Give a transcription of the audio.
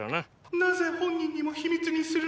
なぜ本人にも秘密にするのですか？